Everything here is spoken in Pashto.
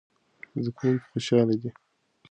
زده کوونکي خوشاله دي.